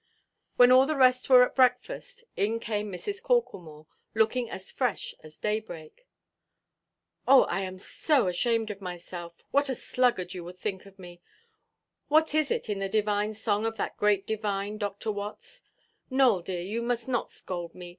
When all the rest were at breakfast, in came Mrs. Corklemore, looking as fresh as daybreak. "Oh, I am so ashamed of myself. What a sluggard you will think me! What is it in the divine song of that great divine, Dr. Watts? Nowell, dear, you must not scold me.